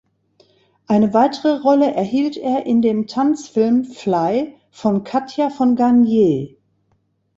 Eine weitere Rolle erhielt er in dem Tanzfilm "Fly" von Katja von Garnier.